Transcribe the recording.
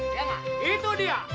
iya mak itu dia